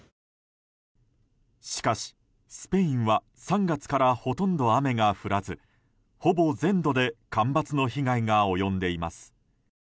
しかし、スペインは３月からほとんど雨が降らずほぼ全土で干ばつの被害が及んでいます。